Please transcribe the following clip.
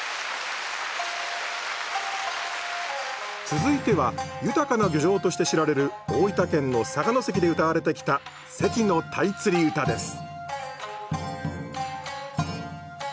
続いては豊かな漁場として知られる大分県の佐賀関でうたわれてきた「関の鯛つり唄」です